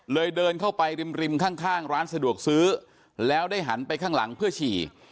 เดินเข้าไปริมริมข้างร้านสะดวกซื้อแล้วได้หันไปข้างหลังเพื่อฉี่